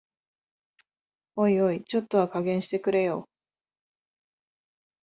おいおい、ちょっとは加減してくれよ